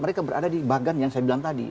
mereka berada di bagan yang saya bilang tadi